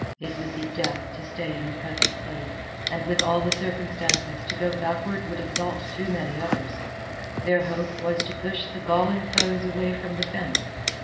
It would be death to stay in the present place, and with all the circumstances to go backward would exalt too many others. Their hope was to push the galling foes away from the fence.